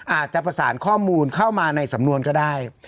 อาจจะประสานข้อมูลเข้ามาในสำนวนก็ได้